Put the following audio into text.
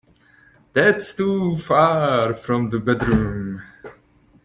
That's too far from the bedroom.